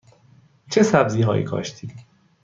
چه سبزی هایی کاشتی؟